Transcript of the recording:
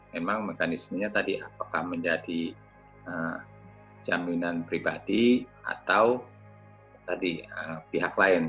memang mekanismenya tadi apakah menjadi jaminan pribadi atau pihak lain